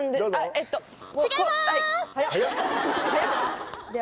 早っ！と思います。